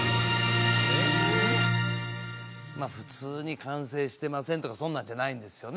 普通に完成してませんとかそんなんじゃないんですよね